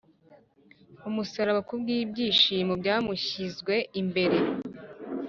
Umusaraba ku bw ibyishimo byamushyizwe imbere